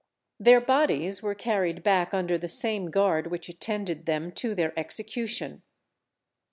Their bodies were carried back under the same guard which attended them to their execution.